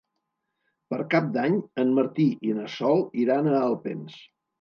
Per Cap d'Any en Martí i na Sol iran a Alpens.